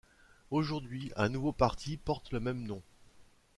Aujourd'hui un nouveau parti porte le même nom.